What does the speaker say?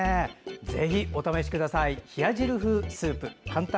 ぜひお試しください。